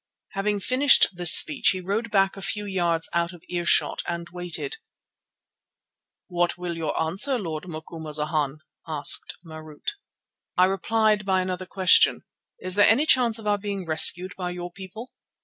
Having finished this speech he rode back a few yards out of earshot, and waited. "What will you answer, Lord Macumazana?" asked Marût. I replied by another question. "Is there any chance of our being rescued by your people?"